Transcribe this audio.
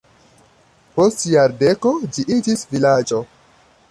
Post jardeko ĝi iĝis vilaĝo.